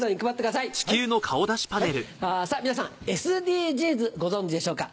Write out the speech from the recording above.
さぁ皆さんＳＤＧｓご存じでしょうか。